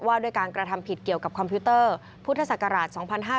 ว่าด้วยการกระทำผิดเกี่ยวกับคอมพิวเตอร์พุทธศักราช๒๕๕๙